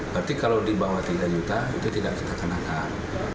berarti kalau di bawah tiga juta itu tidak kita kenakan